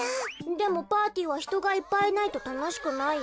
でもパーティーはひとがいっぱいいないとたのしくないよ。